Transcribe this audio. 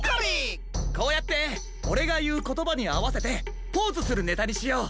こうやってオレがいうことばにあわせてポーズするネタにしよう。